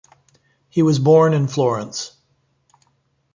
He was born in Florence.